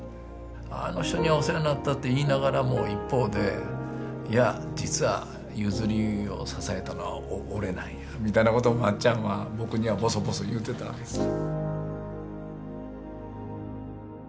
あの人にはお世話になったって言いながらも一方でいや実は嗣業を支えたのは俺なんやみたいなことを松ちゃんは僕にはぼそぼそ言うてたわけですよ。